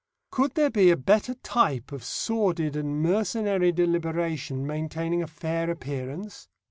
Could there be a better type of sordid and mercenary deliberation maintaining a fair appearance?